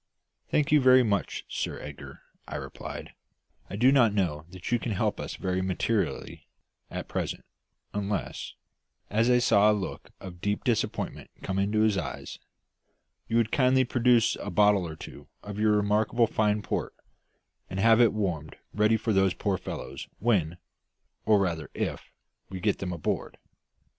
"Thank you very much, Sir Edgar," I replied. "I do not know that you can help us very materially at present, unless," as I saw a look of deep disappointment come into his eyes "you would kindly produce a bottle or two of your remarkably fine port, and have it warmed ready for those poor fellows when or rather if we get them on board.